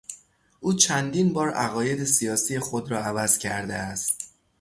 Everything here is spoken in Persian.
او چندین بار عقاید سیاسی خود را عوض کرده است.